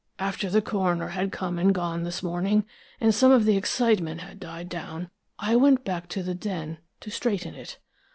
After the coroner had come and gone this morning, and some of the excitement had died down, I went back to the den, to straighten it.